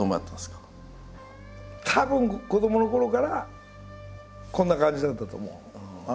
たぶん子どものころからこんな感じだったと思う。